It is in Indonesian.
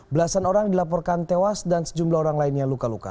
belasan orang dilaporkan tewas dan sejumlah orang lainnya luka luka